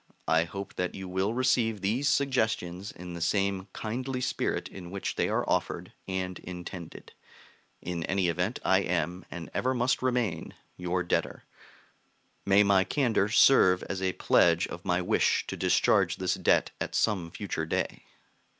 I hope that you will receive these suggestions in the same kindly spirit in which they are offered and intended. In any event I am, and ever must remain, your debtor. May my candor serve as a pledge of my wish to discharge this debt at some future day!